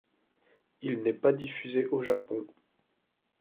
Il n'est pas diffusé au Japon.